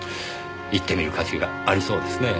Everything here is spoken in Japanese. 行ってみる価値がありそうですねぇ。